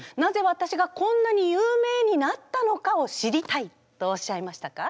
わたしがこんなに有名になったのかを知りたいとおっしゃいましたか？